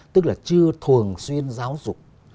tức là chưa thường xuyên giáo dục